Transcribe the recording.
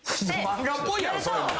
漫画っぽいやろそれも。